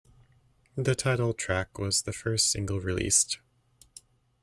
The title track was the first single released.